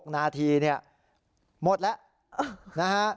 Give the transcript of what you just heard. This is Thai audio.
๖นาทีเนี่ยหมดแล้วนะฮะ